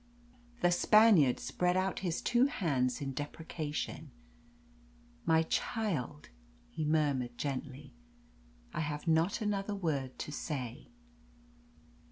The Spaniard spread out his two hands in deprecation. "My child," he murmured gently, "I have not another word to say."